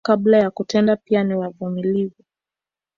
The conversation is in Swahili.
Kupanga kabla ya kutenda pia ni wavumilivu